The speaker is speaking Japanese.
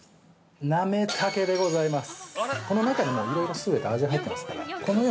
なめたけでございます。